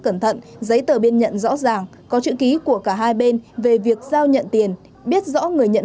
cẩn thận giấy tờ biên nhận rõ ràng có chữ ký của cả hai bên về việc giao nhận tiền biết rõ người nhận